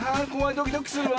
ドキドキするわ。